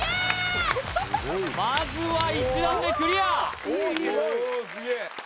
まずは１段目クリア